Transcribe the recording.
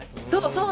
そう。